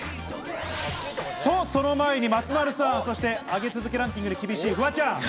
と、その前に松丸さん、そして上げ続けランキングに厳しいフワちゃん。